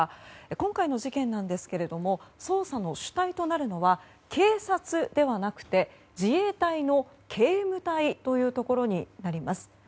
今回の事件なんですけれども捜査の主体となるのは警察ではなくて、自衛隊の警務隊というところになります。